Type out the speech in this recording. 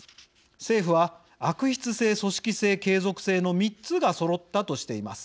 政府は悪質性組織性継続性の３つがそろったとしています。